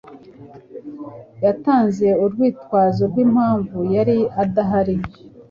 Yatanze urwitwazo rw'impamvu yari adahari.